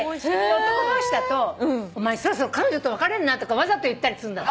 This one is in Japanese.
男同士だと「お前そろそろ彼女と別れんな」とかわざと言ったりするんだって。